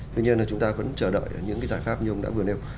tuy nhiên là chúng ta vẫn chờ đợi những cái giải pháp như ông đã vừa nêu